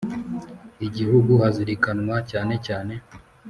Igihugu hazirikanwa cyane cyane